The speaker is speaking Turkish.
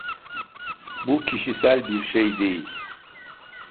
Bu kişisel bir şey değil.